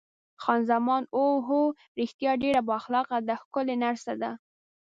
خان زمان: اوه هو، رښتیا ډېره با اخلاقه ده، ښکلې نرسه ده.